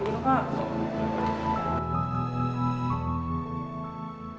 itu juga udah buka